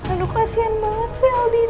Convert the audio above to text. aluh kasihan banget sih aldino